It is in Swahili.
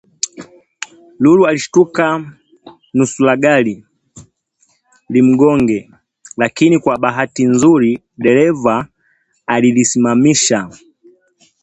Lulu alishtuka nusuragari limgonge lakini kwa bahati nzuri dereva alilisimamisha